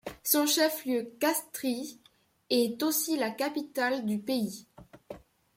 Son chef-lieu, Castries est aussi la capitale du pays.